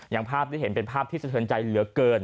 ภาพที่เห็นเป็นภาพที่สะเทินใจเหลือเกิน